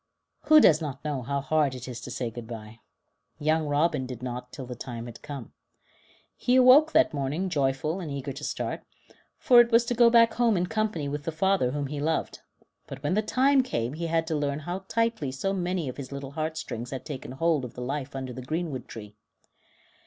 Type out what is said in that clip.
Who does not know how hard it is to say good bye? Young Robin did not till the time had come. He awoke that morning joyful and eager to start, for it was to go back home in company with the father whom he loved; but when the time came he had to learn how tightly so many of his little heartstrings had taken hold of the life under the greenwood tree.